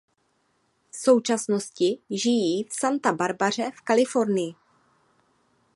V současnosti žijí v Santa Barbaře v Kalifornii.